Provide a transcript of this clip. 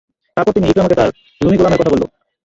তারপর তিনি ইকরামাকে তার রুমী গোলামের কথা বলল।